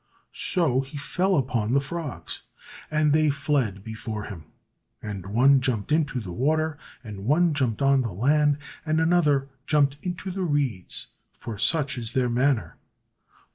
So he fell upon the frogs, and they fled before him. And one jumped into the water, and one jumped on the land, and another jumped into the reeds; for such is their manner.